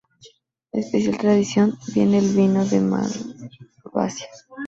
Especial tradición tiene el vino de Malvasía.